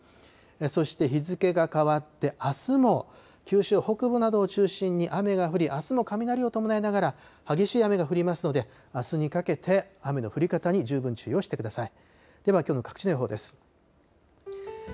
そして日付が変わってあすも、九州北部などを中心に雨が降り、あすも雷を伴いながら激しい雨が降りますので、あすにかけて雨の降り方に十分注意をしてください。